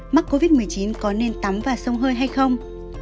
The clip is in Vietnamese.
mắc covid một mươi chín có nên tắm và sông hơi hay không